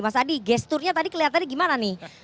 mas adi gesturnya tadi kelihatannya gimana nih